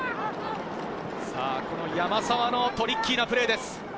山沢のトリッキーなプレーです。